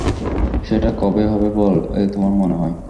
সেটা কবে হবে বলে তোমার মনে হয়?